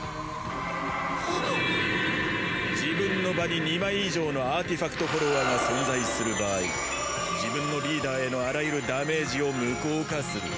自分の場に２枚以上のアーティファクト・フォロワーが存在する場合自分のリーダーへのあらゆるダメージを無効化する。